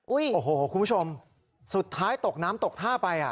โอ้โหคุณผู้ชมสุดท้ายตกน้ำตกท่าไปอ่ะ